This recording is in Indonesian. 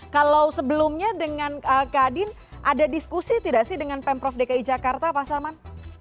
kalau sebelumnya dengan kadin ada diskusi tidak sih dengan pemprov dki jakarta pak sarman